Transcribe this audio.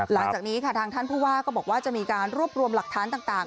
หลังจากนี้ค่ะทางท่านผู้ว่าก็บอกว่าจะมีการรวบรวมหลักฐานต่าง